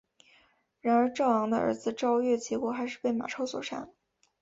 然而赵昂的儿子赵月结果还是被马超所杀。